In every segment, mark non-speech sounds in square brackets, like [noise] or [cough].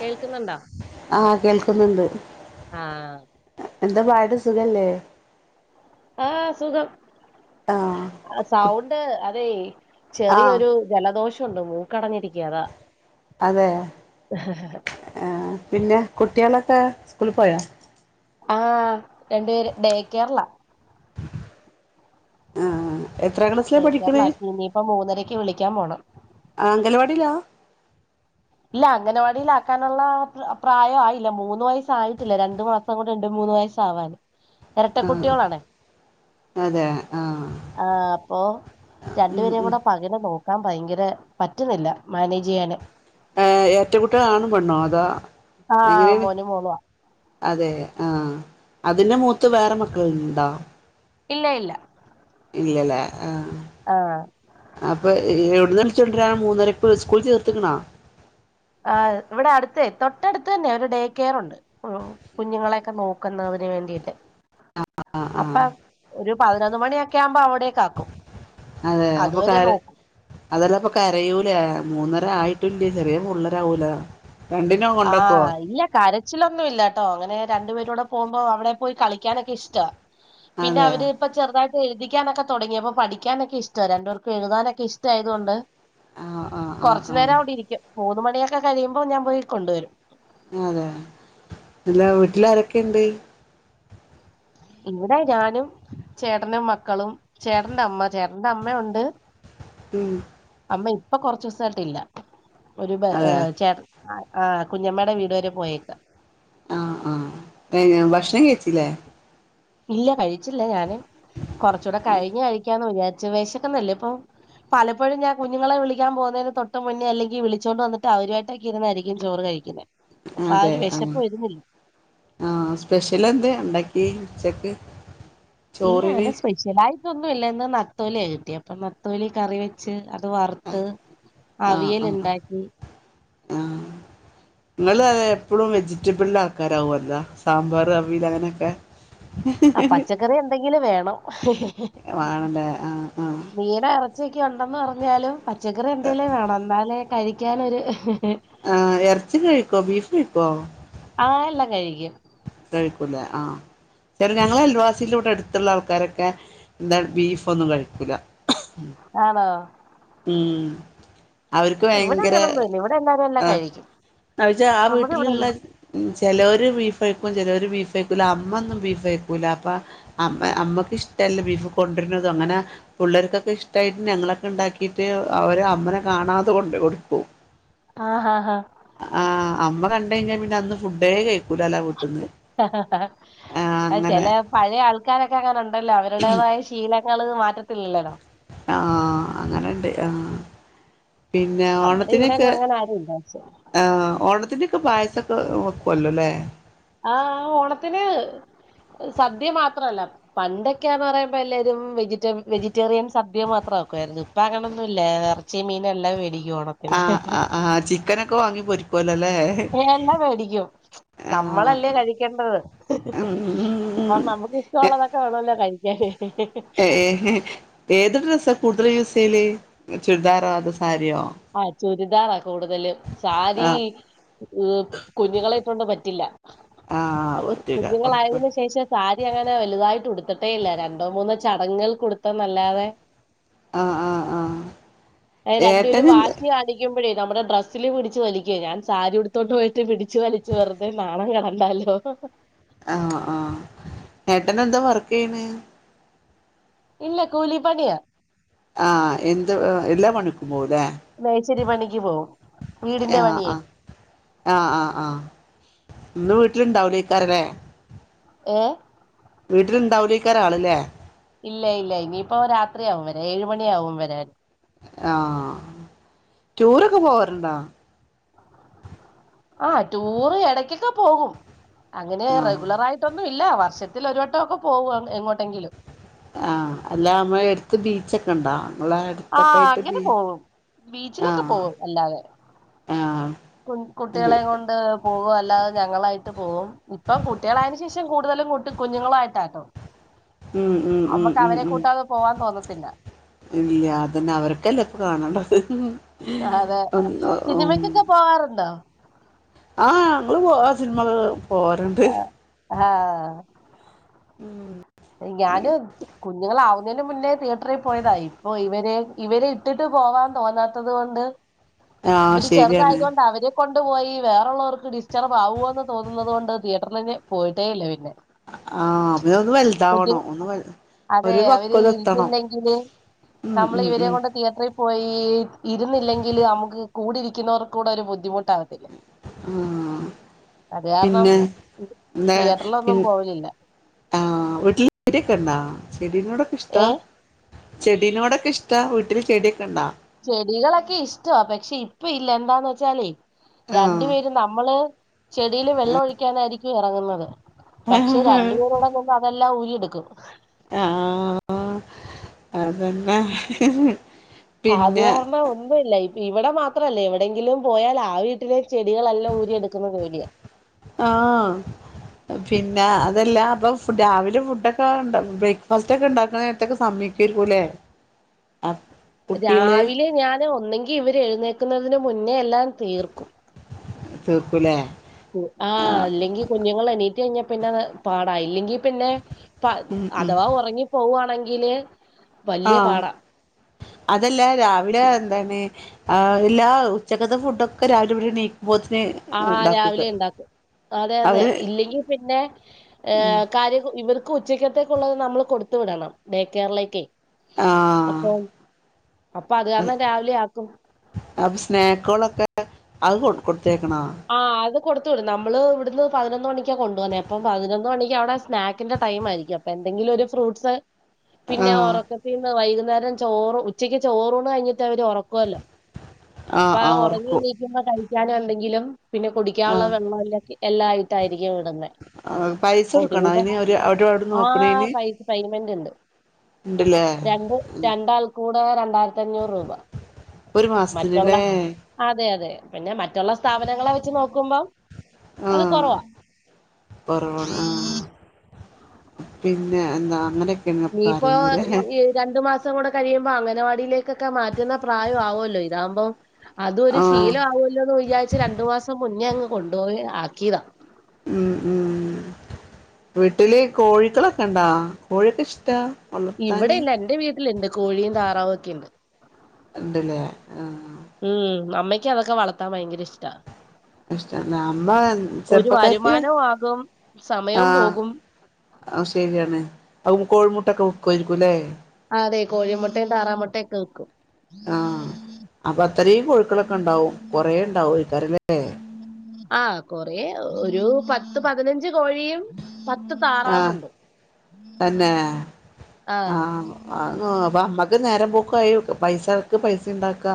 കേൾക്കുന്നുണ്ടോ ആഹ കേൾക്കുന്നുണ്ട് ആഹ് എന്താ പാടെ സുഖല്ലേ ആഹ് സുഖം ആഹ് കു സൗണ്ട് അതെ ആഹ് ചെറിയൊരു ജലദോഷംുണ്ട് മൂക്കടഞ്ഞിരിക്കാതാ അതെ ആ പിന്നെ കുട്ടികളൊക്കെ സ്കൂ പോയോ ആഹ രണ്ടു പേര് ഡേ കേറ് ലാ ആഹ എത്ര ക്ലാസ്സിലാ ഡേ പഠിക്കണ കെയറിലാക്കി ഇനിയിപ്പ മൂന്നരക്ക് വിളിക്കാൻ പോണം ആ അംഗൽവാടിയിലാ ഇല്ല അംഗനവാടിൽ ആാക്കാനുള്ള പ്രായയില്ല മൂന്ന് വയസ്സായിട്ടില്ല രണ്ടു മാസം കൊണ്ട്ണ്ട്ും മൂന്നന്ന് വയസ്സ ആവാാന് ഇരട്ട കുുട്ടികളാണ അതെ ആഹ് ആഹ അപ്പൊ ഉം രണ്ടുപേരേും ഉം കൂടെ പകരെ നോക്ക ക്കാൻ ഭയങ്കര പറ്റുന്നില്ല മാനേജ് ചെയ്യാന് ഏ ഇരട്ട ക്കുട്ടി കൾ ആ ണും പെണോ അതാ ആ് മോന് മോളു ആ അതെ ആഹ അതിന്റെ മൂത്ത് വേറെ മക്കൾുണ്ടാ ഇല്ല ഇല്ല ഇല്ലല്ലേ ആ ആഹ് അപ്പൊ എവിടുന്നൽ ചണ്ടരൻ മൂന്നരക്ക് സ്കൂൾ ചേർത്തക്കണാ ആ് ഇവിടെ അടുത്ത തൊട്ടടുത്ത് തന്നെ ഡേ കെയർുണ്ട് കുഞ്ഞുങ്ങളെൊക്കെ നോക്കുന്ന തിനന് വേണ്ടിട്ട് ആഹ് ആഹ് അപ്പൊ ഒരു പതിനൊന്ന് മണിയൊക്കെ ആകുമ്പോ അവിടേക്ക ആക്കും അതെ അപ്പൊ അതുവരെ കര നോക്കും അതെല്ലാംപ്പ കരയൂലേ മൂന്നര ആയി് ട്ടല് ചെറിയ പി ളേറാവൂല ആഹ് ഇല്ല കരച്ചിലൊന്നുംല്ല കേട്ടോ അങ്ങനെ രണ്ടു പേരൂടെ പോക്പ അവിടെ പോയി കളിക്കാനൊക്കെ ഇഷ്ട പിന്നെ അതെ അവരിപ്പ ചെറുതായിട്ട എഴുതികാ നൊക്കെ തുടങ്ങി അപ്പോൊ പഠിക്കാനൊക്കെ ഇഷ്ട രണ്ടപേർക്കും എഴു താനൊക്കെ ഇഷ്ടാ യതുകൊണ്ട് ആഹ് ആഹ് ആഹ് ആഹ് കൊറച്ചുനരം അവിടെ ഇരിക്കും മൂന്ന മണിയൊക്കെ കഴിയുമ്പോ ഞാൻ പോയി കൊണ്ടുവരും അതെ അ ല്ല വീട്ടില ആാരൊക്കെുണ്ട് ഇവിടെ ഞാനും ചേട്ടനും മക്കളും ചേട്ടന്റെ അമ്മ ചേട്ടന്റെ അമ്മ ഉണ്ട് ഉം അമ്മ ഇപ്പൊ കൊറച്ച ദിവസായിട്ടില്ല ഒരു അതെ ചേ കുഞ്ഞമ്മേയുടെ വീട് വരെ പോയേക്ക ആഹ ആഹ ഭക്ഷണം കഴിച്ചില്ലേ ഇല്ല കഴിച്ചില്ല ഞാന് കൊറച്ചൂടെ കഴിഞ്ഞഞ് കഴിക്കാന്ന് വിചാരിച്ച വേശക്കന്നല്ലേ ഇപ്പൊ പലപ്പോഴുംഞൻ കുഞ്ഞുങ്ങളെ വിളാൻ പോകുന്നതിന് തൊട്ട് മുന്നേ അല്ലെങ്കി വിളിച്ചോണ്ട് വന്നിട്ട് അവരുമായിട്ടൊക്ക ഇരുന്നതായിരിക്കും ചോറ് കഴിക്കുന്നത് അപ്പൊ ആ അതെ ഒരു ആഹ വിശപ്പ് വരുന്നില്ല ആഹ സ്പെഷ്യൽ എന്ത് ഉണ്ടാക്കി ചെക്ക് ഇല്ല അങ്ങനെ സ്പെഷ്യല ആായിട്ടൊന്നും ഇല്ല ഇന്ന് നത്തോലിയ കിട്ടി അപ്പൊ നത്തോലി കറി വെച്ച് അത് വറുത്ത് അവിയൽ ഉണ്ടാക്കി നിങ്ങ അ എപ്പോഴും വെച്ചി കുറ്റി പിള്ള ആക്കാരാവല്ലാ സാമ്പാർ അവൽ അങ്ങനെയൊക്കെ ആ പച്ചക്കറി എന്തെങ്കിലും വേണോ ആണല്ലേ ആഹ് ആഹ് മീനറ പച്ചക്ക ഉണ്ടെന്ന് പറഞ്ഞാലും പച്ചക്കറി എന്തെേങ്കിലും വേണം എന്നാലൽ കഴിക്കൻൊരു ആ ഇറച്ചി കഴിക്കോ ബീഫ് കഴിക്കോ ആഹ എല്ലാം കഴിക്കും കഴിക്കൂല ആഹ ശരി ഞങ്ങളെ അൽവാസിയില കൂടെ എടുത്തുള്ള ആൾക്കാരൊക്കെ എന്താ ബീഫ ഒന്നും കഴിക്കൂല ആണോ ഉ അവർക്ക് ഇവിടെ ഭയങ്കര അങ്ങനൊന്നുല്ല ഇവിടെ എല്ലാരും എല്ലാം കഴിക്കും ആഹച്ച ആ നമ്മുടെ വീട്ടിലുള്ള ഇവിടെന്നും ചില ഒരു ബീഫ് കഴിക്കും ചില ഒരു ബീഫ് ബീഫ് കക്കൂല അമ്മ ഒന്നും ബീഫ് കഴക്കൂല അപ്പ അമ്മ അമ്മക്ക് ഇഷ്ടല്ല ബീഫ് കൊണ്ടുവരുന്നതും അങ്ങനെ പിള്ളേർക്കൊക്കെ ഇഷ്ടായിട്ട് ഞങ്ങളൊക്കെ ഉണ്ടാക്കിട്ട് അവര് അമ്മനെ കാണാതെ കൊണ്ട് കൊടുക്കും ആഹ ആഹ് ആഹ ആഹ് അമ്മ ക കഴിഞ്ഞാൽ പിന്നെ അന്ന് ഫുഡേ കഴിക്കൂല അല്ലോ വീട്ട നിന്ന് ആ ചില പഴയ ആൾക്കാരൊക്കെ അങ്ങന ഉണ്ടല്ലോ അവരുടേതായ ശീല ത് മാറ്റത്തില്ലല്ലല്ലോ ആഹ അങ്ങനെണ്ട് ആഹ പിന്നെ നമ്മടെ ഓണത്തിനൊക്കെ ഇവിടെങ്ങും അങ്ങനെ ആരുല്ല പക്ഷെ ആഹ് ഓണത്തിന്റെ പായസൊക്കെ വേകൊല്ലല്ലേ ആഹ് ഓണത്തിന് സദ്യ മാത്രല്ല പണ്ടൊക്കെയാന്ന് പറയുമ്പോ എല്ലരും വെജിറ്റ വെജിറ്റേറിയൻ സദ്യ മാത്ര ക്കരുന്നു ഇപ്പ അങ്ങണൊന്നും ഇേ ഇറച്ചിയ മീനെല്ലാം വേടിിക്കും ഓണത്തിന് ആഹ് ആഹ് ആഹ് ചിക്കനൊക്കെ വാങ്ങി പൊരിക്കുവല്ലോല്ലേ എല്ലാം മേടിക്കും ആഹ് നമ്മളല്ലേ കഴിക്കേണ്ടത് അപ്പൊ ഉം നമുക്ക്ഷ്ടമുള്ളതൊക്കെ വേണല്ലോ കഴിക്കാൻ ഏ ഏത് ഡ്രസ്സാ കൂടുതലും യൂസ് ചെയ്യല് ചുരിദാറോ അതോ സാരിയോ ആഹ ചൂരിദാ ആ കൂടുതല് സാരി ആഹ് ർ കുഞ്ഞുികളായിട്ടൊണ്ട് പറ്റില്ല ആഹ് അത് പറ്റൂല ഒറപ്പ് കുഞ്ഞുങ്ങളായതിനന് ശേഷം സാരി അങ്ങനെ വലുതായിട്ട് കൊടുത്ത കൊത്തട്ടേ ഇല്ല രണ്ടോ മൂന്നോ ചടങ്ങൾ കൊടുത്ത നല്ലാതെ ആ ആ ആ എ ഒരു വാശിയ ആണിക്കും ഴെ നമ്മുടെ ഡ്രസ്സിൽ പിടിച്ച് വലിക്കുവ ഞാൻ സാരിടുത്തോ് പോയിട്ട് പിിച്ചച്ച് വലി വെുതെ നാണം കണ്ടാലേ [inaudible] ആഹ ആഹ നേട്ടനെ എന്താ വർക്ക് ചെയ്യണ് ഇല്ല കൂലി പണിയ ആ എന്ത് എല്ലാ മണിക്കും പോല നഴ്ശേരി പണിക്ക് പോകവും വീടിന്റെ പണിയേ ആഹ ആഹ് ആഹ് ഒന്ന് വീട്ടിലുണ്ടാവലേേക്കാരല്ലേ ഏ വീട്ടിലുണ്ടാവില്ലേ ആൾ ആണല്ലേ ഇല്ല ഇല്ല ഇനിയിപ്പോ രാത്രിയാവും വരാ ഏഴ മണിയ ആാവും വരാൻ ആഹ ടൂർൊക്കെ പോവാറുണ്ടോ ആഹ ടൂറ് ഇടക്കൊക്കെ പോകും അങ്ങനെ ആഹ് റെഗുലർ ആയിട്ടൊന്നും ഇല്ല വർഷത്തി ഒരുവട്ടംക്കെ പോവ എങ്ങോട്ടെങ്കിലും ആഹ അല്ല നമ്മ എടുത്ത് ബീച്ചൊക്കെ ഉണ്ടാവ ആ അടുത്തൊക്കെ ആായിട്ട് അങ്ങനെ ബീച്ച് പോകും ഉണ്ടോ ബീച്ചിലൊക്കെ ആഹ പോകും അല്ലാതെ ആഹ കുട്ടികളെ കൊണ്ട് പോകും അല്ലാതെ ഞങ്ങളായിട്ട് പോവും ഇപ്പം കുട്ടികളായന് ശേഷം കൂടുതലും കൂട്ടി കുഞ്ഞുങ്ങളായിട്ടാട്ടോ ഉം ഉം ഉം കൂട്ടാതെ പോവാൻ തോന്നത്തില്ല ഇല്ലത അന്നെ അവർക്കല്ലേ ഇപ്പോ കാണണ്ടത് അതെ സിനിമക്കൊക്കെ പോവാറുണ്ടോ ആഹ് ഞങ്ങളും പോവും ആ സിനിമകൾ ങ്‌ ആ ഉം ഞാനും കുഞ്ഞുങ്ങളാവു അയിന്റെ മുന്നേ തീയേറ്ററില് പോയതാ ഇപ്പൊ ഇവരെ ഇട്ടിട്ട് പോവാൻ തോന്നാത്തത് കൊണ്ട് ആഹ് ഇവര് ശരിയാണ് ചെറുതായതോണ്ടാ അവര് കൊണ്ട് പോയി വേറെള്ളോർക് ഡിസ്റ്റർബ് ആവൊന്ന് തോന്നുന്നതോണ്ട് തിയേറ്ററിൽ പോയിട്ടേയില്ല അ ആ അപ്പതി വ.. കുഞ്ഞേ അതെ അവര് എത്തണം ഇരിക്കില്ലെങ്കിൽ ഉം ഞമ്മള് ഉം ഇവരെ ഉം കൊണ്ട് തിയേറ്ററിൽ പോയി ഇരുന്നില്ലെങ്കിൽ നമുക്ക് കൂടെയിരിക്കുന്നവർക്കൂടെ ഒര് ബുദ്ധിമുട്ട് ആ അത് കാരണം പിന്നെ ന്തേ പി തിയേറ്ററിലൊന്നും പോവലില്ല ആ ചെടിയൊക്കെ ഉണ്ടോ ചെടിനോടൊക്കെ ഇഷ്ട്ടാ ഏ ചെടിനോട്ക്കിഷ്ട്ടാ വീട്ടില് ചെടിക്കൊണ്ട ചെടികളൊക്കെ ഇഷ്ട്ട പക്ഷേ ഇപ്പോ ഇല്ല എന്താന്ന് വെച്ചാല് രണ്ട് ആഹ് പേരും നമ്മള് ചേടിയില് വെള്ളമൊഴിക്കാനായിരിക്കും ഇറങ്ങണത് പക്ഷേ രണ്ട് പേരറങ്ങുമ്പം അതെല്ലാം ഉരിയെടുക്കും ങ്‌ ആ ആ അതെന്നെ അത് കാരണം ഒന്നുല്ല ഇവിടെ മാത്രല്ല എവിടെങ്കിലും പോയാൽ ആ വീട്ടിലെ ചെടികളെല്ലാം ഊരിയെടുക്കുന്നത് പേടിയാ ല്ലാ അതെല്ല അപ്പൊ ഫുഡ് ഒക്കെരാവിലെ ബ്രേക്ക്ഫാസ്റ്റ്ക്കൊ ഉണ്ടാക്കാൻ നേരത്തൊക്കെ സമ്മയ്ക്കൊകുല്ലേ രാവിലെ ഞാന് ഒന്നെങ്കി. ഇവര് എഴുന്നേൽക്കുന്നതിന് മുന്നേ എല്ലാം തീർക്കും തീർക്കുലെ ആ ഇല്ലെങ്കികുഞ്ഞുങ്ങള് എണീറ്റു കഴിഞ്ഞ പിന്നെ പാടായി പിന്നെ പ ഉം ഉം അഥവാ ഒറങ്ങി പ്പൊവാണെങ്കില് ആ ഹ അതെല്ല രാവിലെ ന്താണ് അഹ് ലാ ഉച്ചക്കത്തെ ഫുടൊക്കെ രാവിലോട് കൂടി ആ രാവിലെ ണ്ടാകും അതെ അതെ അവര് ഇല്ലെങ്കി പിന്നെ ഏ കാര്യം.. ക്കൊ ഉച്ചക്കത്തെ കുള്ളത് നമ്മള് കൊടുത്തു വിടണം ആഹ് അപ്പ അത് കാരണം രാവിലെ ആകും അപ്പൊ സ്നാക്കുകളൊക്കെ അത് കൊ കൊടുത്തേക്കണോ ആ അതു കൊടുത്ത് വിടും നമ്മള് വ്ടെ ഇവര് പതിനൊന്നു മണിക്ക കൊണ്ടോവല് അപ്പം പതിനൊന്നു പതിനൊന്നു മണിക്ക് അവിടെ സ്നാക്കിന്റെ ടൈം ആയിരിക്കും അപ്പം എന്തെങ്കിലും ഒരു ഫ്രൂട്സ് പിന്നെ ആഹ് ഒറക്കത്തിന്ന് വൈകുന്നേരം ചോറും ഉച്ചക്ക് ചോറൂണ് കഴിഞ്ഞിട്ട് ന്നവരെ ഉറക്കല്ലോഅപ്പൊ ആഹ് ആ ഉ ആഹ് റങ്ങി ഓർക്കും എണീക്കുബോൾ കഴിക്കാനെന്തെങ്കിലും പിന്നെ കുടിക്കാനുള്ള വെള്ളം എല്ലാഎല്ലാംയിട്ടായിരിക്കും ഇവിടുന്ന് ആഹ് പൈസ കൊടുക്കണോ ഒഒരുവിധം അതിന് അവര് അവര് അവിടെ ആ നോക്കണേന് പൈമന്റ് ണ്ട് ഉണ്ടല്ലേ രണ്ട് രണ്ടാൾക്കൂടെ രണ്ടായിരത്തഞ്ഞുർ രൂപ ഒരു മറ്റുള്ള മാസത്തിന്ല്ലേ അതെ അതെ പിന്നെ മ റ്റുള്ള സ്ഥാപനങ്ങളെ വച് നോക്കുമ്പം അത് ആഹ് കൊറവ കൊറവാണ് ആ പിന്നെ ന്താ അങ്ങനെ നീ പ്പോ വോ ഇ ഇ രണ്ട് രണ്ടു മാസം കൂടെ കഴിയുമ്പം അംഗനവാഡിയിലേകൊക്കെ മാറ്റുന്ന പ്രായം ആവോല്ലോ ഇതാമ്പോ അതൊര് ആഹ് ശീലാവോല്ലോന്ന് വിചാരിച് രണ്ട് മാസം മുന്നേ അങ്ങ് കൊണ്ടോയി ആകീതാ ഉം വീട്ടില് കോഴിക്കളൊക്കെ ണ്ടാ കോഴിക്കെ ഇഷ്ട്ടാ ഇവിടില്ല എന്റെ വീട്ടില്ണ്ട് കോഴീ താറാവൊക്കെ ഇണ്ട് ഇണ്ട്ലെ ആ ഉം അമ്മക്ക്‌ അതൊക്കെ വളർത്താൻ ഭയങ്കര ഇഷ്ട്ടാ ഇഷ്ട്ടണ്ടാ അമ്മ ഒരു ചെറുപ്പക്കാര്ത്തിയാ വരുമാനവും ആകും ആ സമയവും പോകും. ആ ശരിയാണ് അ കോഴിമുട്ടൊക്കെ വിക്കുവായിരിക്കുംല്ലേ അതെ കോഴിമുട്ടയും താറാമുട്ടയും ഒക്കെ വിക്കും ആഹ അപ്പൊ അത്രേം കൊഴിക്കളൊക്കെ ഇണ്ടാവും കൊറെ ഇണ്ടാവും ആയിക്കാരല്ലേ ആ കൊറേ ഒരു പത്ത് പതിനഞ്ച് കോഴിയും പത്ത് താറാവും ആഹ് ഉണ്ട് തന്നെ ആ അ ഗോബ അമ്മക് ക്ക്‌ ന്നേരം പോക്കായി പൈസക്ക് പൈസണ്ടാക്ക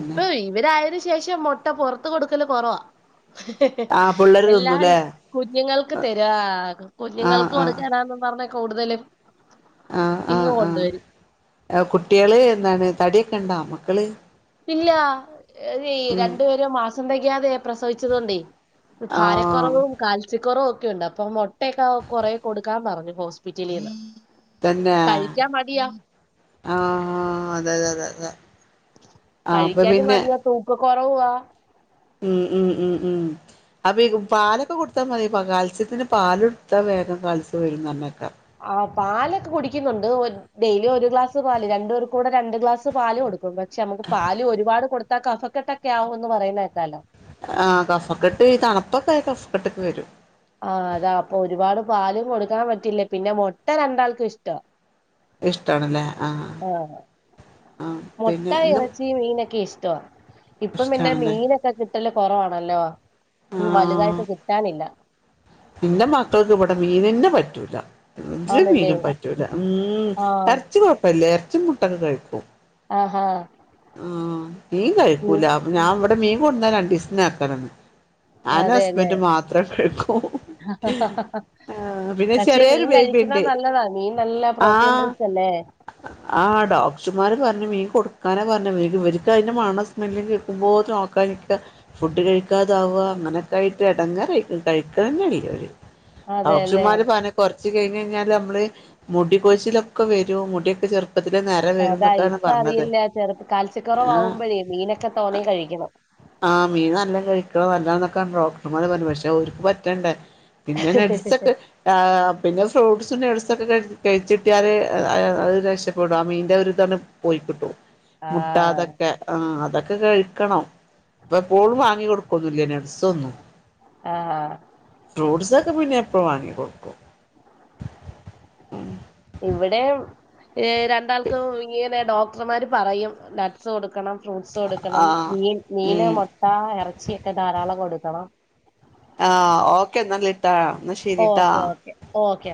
ഇപ്പൊയ് ഇവരായന് ശേഷം മൊട്ട പൊറത്ത് കൊടുക്കല് കൊറവാ ആഹ് പിള്ളേര് എല്ലായ് തിന്നൂലേ കുഞ്ഞുങ്ങൾക്ക് തെരാ ആഹ് കുഞ്ഞുങ്ങൾക്ക് ആഹ് കൊടുക്കാനാന്നും പറഞ് കൂട്തലും ആഹ് ആഹ് ആഹ് കുട്ടിയെള് എന്താണ് തടിയൊക്ക്‌ണ്ടാ മക്കള് ഇല്ലാ ഈ ഉം രണ്ടു പേരും മാസംതെകയാതെയാ പ്രസവിച്ചതോണ്ടേ ആഹ് ഭാരക്കുറവും കാൽസ്യക്കുറവൊ ക്കെണ്ട് അപ്പൊ മുട്ടൊക്കെ അവ കൊറേ കൊടുക്കാൻ പറഞ്ഞു ഹോസ്പിറ്റലിൽന്ന് തന്നെ ആഹ അതെതെതെ അത കഴിക്കാനും മടിയാ തൂക്ക കൊറവുവാ ഉം ഉം ഉം ഉം അപ്പൊ ഈ പാലൊക്കെ കൊടുത്താ മതി കാൽസ്യത്തിന് പാലൊടുത്താ വേഗം കാൽസ്യം വരുന്നർഞ്ഞെക്ക ആ പാലൊക്കെ കുടിക്കുന്നുണ്ട് ഒര് ഡെയ്ലി ഒരു ഗ്ലാസ് പാല് രണ്ട്പേർകൂടെ രണ്ട് ഗ്ലാസ് പാല് കൊടുക്കും കൊടുക്കും പക്ഷെ നമുക്ക് പാല് ഒരുപാട് കൊടുത്താ കഫക്കെട്ടൊക്കെ ആവൂന്ന് പറയുന്നേക്കാലോ ആ കഫക്കെട്ട് ഈ തണുപ്പൊക്കെ ആയ കഫക്കെട്ടൊക്കെ വരും ആഹ അതാ അപ്പൊ ഒരുപാട് പാലും കൊടുക്കാൻ പറ്റില്ലേ പിന്നെ മുട്ട രണ്ടാൾക്കും ഇഷ്ട്ടാ ഇഷ്ട്ടാണല്ലേ ആഹ മുട്ട പിന്നെ ഇന്നും ഇറച്ചി മീനൊക്കെ ഇഷ്ട ട്ടൊ ഇപ്പം പിന്നെ ഇഷ്ടാണല്ലേ മീനൊക്കെ കിട്ടല് കൊറവാണല്ലോ മ് വലുതായിട്ട് കിട്ടാനില്ല ഇന്റെ മക്കൾക്ക് ഇവടെ മീനെനെ പറ്റൂല ഒജ്ജ് ആന്നല്ലേ മീനും പറ്റൂല മ് ആഹ് എർച്ചികൊഴപ്പല്ല എർച്ചി മുട്ടൊക്കെ കഴിക്കും ആഹാ ആ മീൻ കഴിക്കൂല അപ്പ ഞാൻ ഇവടെ മീൻ കൊട്ന്നാ രണ്ടിസ്ത്തിന് എർതലം ഞാനും ഹസ്ബൻഡും മാത്രേ കഴിക്കൂ ആ ആ പിന്നെ പക്ഷേ ചെറിയൊരു മീൻ ബേബി കഴിക്കുന്നത് ഉണ്ട് ന്നല്ലതാ മീൻ നല്ല പ്രോട്ടീൻ റിച്ചല്ലേ ആഹ ഡോക്ട്ട്റ് ച്ചുമാര് പറഞ്ഞു മീൻ കൊടുക്കാന പറഞ് ഇവര് ഇവര്ക്കയ്ന്റെ മണോം സ്മെല്ലും കേക്കുമ്പോത്തിന് ഓക്കാനി ക്ക ഫുഡ് കഴിക്കാതാവാ അങ്ങനെക്കായ്ട്ട് എടങ്ങറയ്ട്ട് കയ്ക്കന്നേണെ അതെല്ലേ ഡോക്ട്ട്റ്മാര് പറഞ് കൊറച്ച് ച്ച് കയ്ഞ്ഞയ്ഞ്ഞാലമ്മള് മുടി കൊഴിച്ചിലൊക്കെ വരും മുടിയൊക്കെ ചെർ അതാ ഇപ്പ അറിയില്ല ചെറുപ്പ ആഹ് കാൽസ്യക്കുറവാവുമ്പഴേ മീനൊക്കെ തോനെ കഴിക്കണം ആഹ് മീൻ നല്ല കഴിക്ക ണർ പിന്നെ നെഡ്‌സൊക്കെ ആ പിന്നെ ഫ്രൂട്ട്സ് സും നടസൊക്കെ കഴിച്ചിട്ടിയല് അത് രക്ഷപ്പെടും ആ മീൻന്റെ ഒരുരിതാണ് പോയി കിട്ടും മുട്ട ആഹ് അതൊക്കെ ആഹ അതൊക്കെ കഴിക്കണംപ്പ എപ്പോൾും വാങ്ങി കൊടുക്കോന്നല്നഡ്സ് ആ ആ പുസക്കെ പിന്നെ എപ്പ വാങ്ങി കൊടുക്കും ഇവിടെ രണ്ടാൾക്കും ഇങ്ങനെ ഡോക്ടർമാർ പറയും ലറ്റ്സ് കൊടുക്കണം ഫ്രൂട്ട്സ് കൊടുക്കണം ആഹ് മീൻ മീന് ഉം മുട്ട ഇറച്ചിയൊക്കെ ധാരാളം കൊടുക്കണം ആ ഓക്കെ എന്നല്ലിട്ടാ എന്നാ ശരിട്ടാ ഓക്കെ ഓക്കെ ഓക്കെ